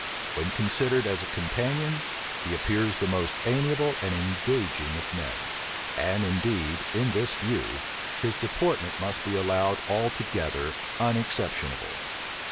When considered as a companion, he appears the most amiable and engaging of men; and indeed, in this view, his deportment must be allowed altogether unexceptionable.